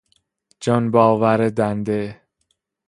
جنبآور دنده